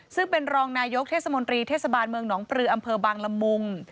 ซึ่งเป็นรองนายกเทศมนตรีเทศบาลเมืองหนองปลืออำเภอบางละมุง